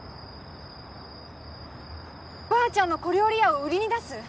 ばあちゃんの小料理屋を売りに出す！？